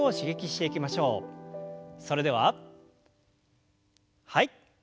それでははい。